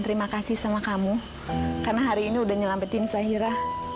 terima kasih sama kamu karena hari ini udah nyelampetin sayaira